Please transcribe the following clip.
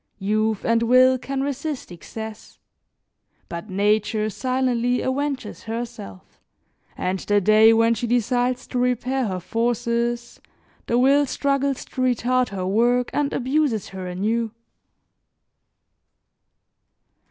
Youth and will can resist excess; but nature silently avenges herself, and the day when she decides to repair her forces, the will struggles to retard her work and abuses her anew.